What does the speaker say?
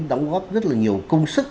đóng góp rất là nhiều công sức